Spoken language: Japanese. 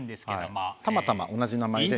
たまたま同じ名前で。